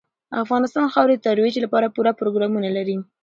افغانستان د خاورې د ترویج لپاره پوره پروګرامونه لري.